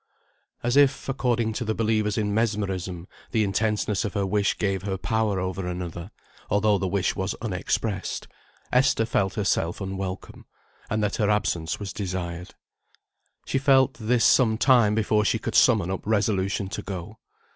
As if, according to the believers in mesmerism, the intenseness of her wish gave her power over another, although the wish was unexpressed, Esther felt herself unwelcome, and that her absence was desired. She felt this some time before she could summon up resolution to go.